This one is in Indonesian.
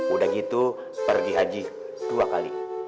udah gitu pergi haji dua kali